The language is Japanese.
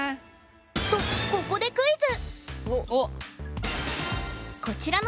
とここでクイズ！